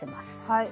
はい。